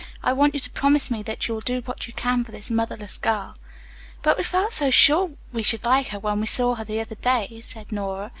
I want you to promise me that you will do what you can for this motherless girl." "But we felt sure we should like her when we saw her the other day," said Nora.